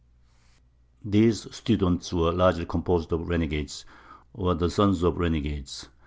These students were largely composed of renegades, or the sons of renegades.